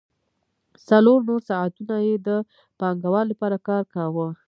څلور نور ساعتونه یې د پانګوال لپاره کار کاوه